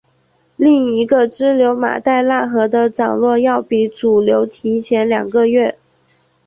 另一个支流马代腊河的涨落要比主流提前两个月。